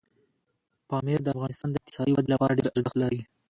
پامیر د افغانستان د اقتصادي ودې لپاره ډېر ارزښت لري.